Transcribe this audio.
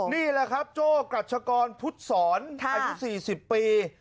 นี่แหละครับโจ้กรัชกรพุทธศรอายุ๔๐ปี